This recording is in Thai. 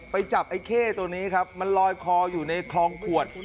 จับไอ้เข้ตัวนี้ครับมันลอยคออยู่ในคลองขวด